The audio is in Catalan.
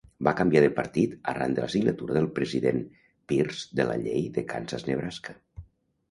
Va canviar de partit arran de la signatura del president Pierce de la Llei de Kansas-Nebraska.